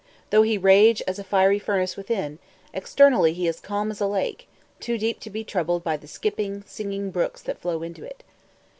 Though he rage as a fiery furnace within, externally he is calm as a lake, too deep to be troubled by the skipping, singing brooks that flow into it.